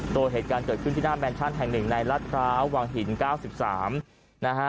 โดยเหตุการณ์เกิดขึ้นที่หน้าแมนชั่นแห่งหนึ่งในรัฐพร้าววังหิน๙๓นะฮะ